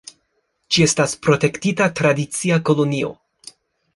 Ĝi estas protektita tradicia kolonio.